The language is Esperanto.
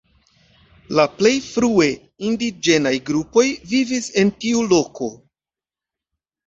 La plej frue indiĝenaj grupoj vivis en tiu loko.